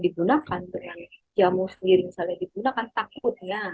dibunakan dengan jamu sendiri misalnya dibunakan takutnya